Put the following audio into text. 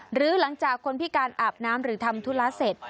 หรือหลังจากคนพิการอาบน้ำหรือทำธุระเสร็จ